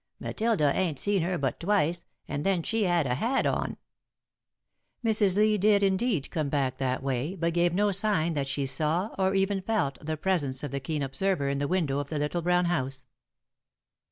Matilda ain't seen her but twice and then she had a hat on." Mrs. Lee did, indeed, come back that way, but gave no sign that she saw, or even felt, the presence of the keen observer in the window of the little brown house.